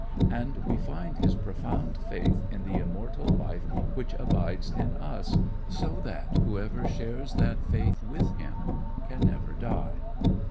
And we find his profound faith in the immortal life which abides in us, so that whoever shares that faith with him can never die.